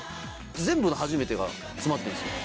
全部の初めてが詰まってるんですよ。